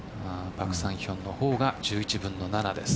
パク・サンヒョンのほうが１１分の７です。